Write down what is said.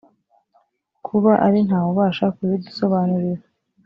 kuba ari nta wubasha kuzidusobanurira